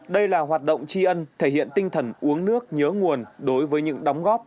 đây là hoạt động tri ân thể hiện tinh thần uống nước nhớ nguồn đối với những đóng góp